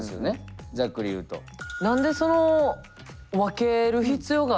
何でその分ける必要があるんすか。